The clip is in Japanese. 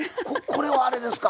これはあれですか？